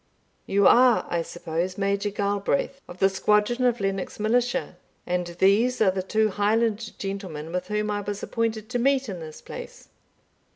"You are, I suppose, Major Galbraith, of the squadron of Lennox Militia, and these are the two Highland gentlemen with whom I was appointed to meet in this place?"